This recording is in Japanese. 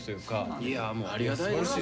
いやもうありがたいですよ。